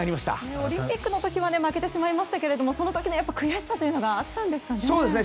オリンピックの時は負けてしまいましたけどその時の悔しさというのがあったんですかね。